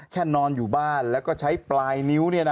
แค่นอนอยู่บ้านและใช้ปลายนิ้ว